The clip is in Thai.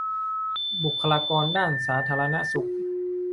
บุคคลากรด้านสาธารณสุข